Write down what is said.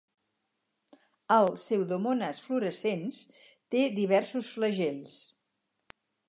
El "pseudomonas fluorescens" té diversos flagels.